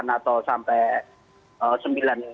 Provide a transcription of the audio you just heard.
delapan atau sampai